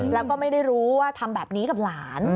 แล้วก็ไม่ได้รู้ว่าทำแบบนี้กับหลาน